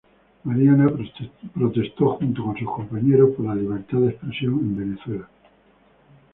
Mariana protestó junto con sus compañeros por la libertad de expresión en Venezuela.